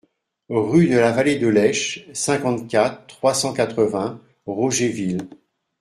Rue de la Vallée de l'Esch, cinquante-quatre, trois cent quatre-vingts Rogéville